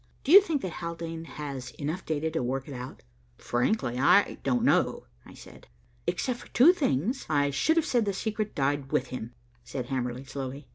Do you think that Haldane has enough data to work it out?" "Frankly, I don't know," I said. "Except for two things, I should have said the secret died with him," said Hamerly slowly.